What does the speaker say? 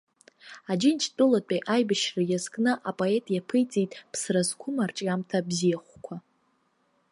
Аџьынџьтәылатәи аибашьра иазкны апоет иаԥиҵеит ԥсра зқәым арҿиамҭа бзиахәқәа.